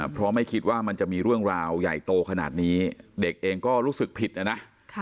เพราะไม่คิดว่ามันจะมีเรื่องราวใหญ่โตขนาดนี้เด็กเองก็รู้สึกผิดนะนะ